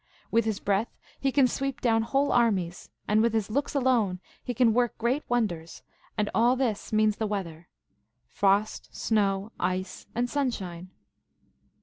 With his breath he can sweep down whole armies, and with his looks alone he can work great wonders, and all this means the weather, frost, snow, ice, and sunshine.